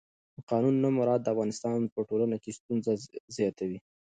د قانون نه مراعت د افغانستان په ټولنه کې ستونزې زیاتوي